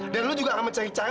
dan lo juga akan mencari cara